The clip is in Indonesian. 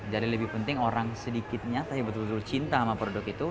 jadi lebih penting orang sedikit nyata yang betul betul cinta sama produk itu